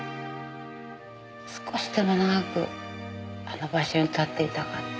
少しでも長くあの場所に立っていたかった。